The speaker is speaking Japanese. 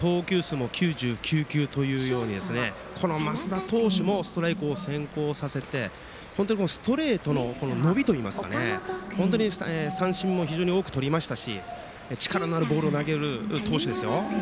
投球数も９９球というように升田投手もストライクを先行させてストレートの伸びといいますか三振も多くとりましたし力のあるボールを投げる投手です。